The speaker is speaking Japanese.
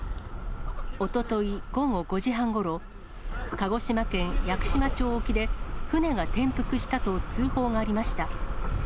おととい午後５時半ごろ、鹿児島県屋久島町沖で船が転覆したと通報がありました。